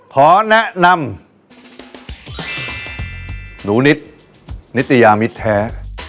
ขอแนะนำหนูนิดนิตยามิตรแท้